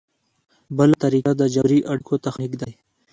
بله طریقه د جبري اړیکو تخنیک دی.